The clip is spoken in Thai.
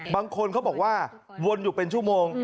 บางคนเขาบอกว่าวนอยู่เป็นชั่วโมง